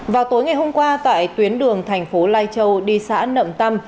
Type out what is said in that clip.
vào tối ngày hôm qua tại tuyến đường thành phố lai châu đi xã nậm tâm